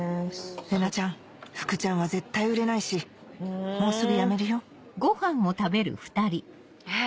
玲奈ちゃん福ちゃんは絶対売れないしもうすぐやめるよえっ